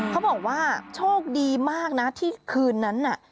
เขาบอกว่าโชคดีมากนะที่คืนนั้นน่ะ